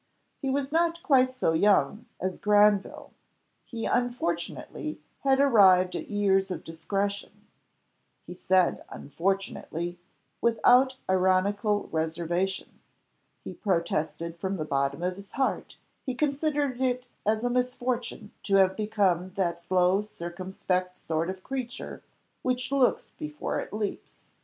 He was not quite so young as Granville; he, unfortunately, had arrived at years of discretion he said unfortunately; without ironical reservation, he protested from the bottom of his heart he considered it as a misfortune to have become that slow circumspect sort of creature which looks before it leaps.